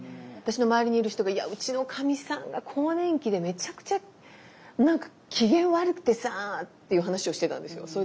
私の周りにいる人が「いやうちのかみさんが更年期でめちゃくちゃ機嫌悪くてさぁ」っていう話をしてたんですよ。